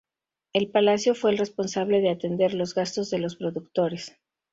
El palacio fue el responsable de atender los gastos de los productores.